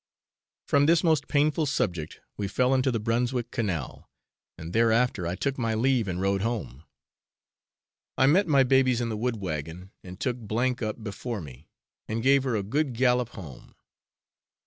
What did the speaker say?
From this most painful subject we fell into the Brunswick canal, and thereafter I took my leave and rode home. I met my babies in the wood wagon, and took S up before me, and gave her a good gallop home.